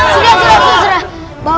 sudah sudah sudah